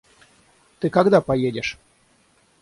Ты когда поедешь?